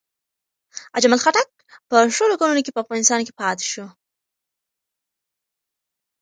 اجمل خټک په شل کلونو کې په افغانستان کې پاتې شو.